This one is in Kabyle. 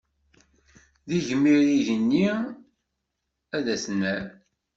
D igmir igenni ad t-nerr.